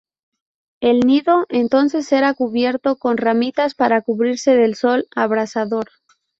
El nido entonces era cubierto con ramitas para cubrirse del sol abrasador.